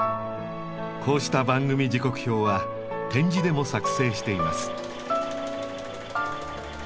こうした番組時刻表は点字でも作成しています。